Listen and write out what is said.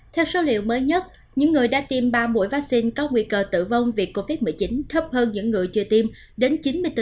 theo số liệu mới nhất những người đã tiêm ba mũi vaccine có nguy cơ tử vong vì covid một mươi chín thấp hơn những người chưa tiêm đến chín mươi bốn